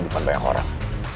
depan banyak orang